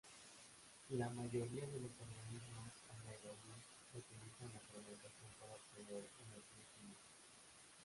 La mayoría de los organismos anaerobios utilizan la fermentación para obtener energía química.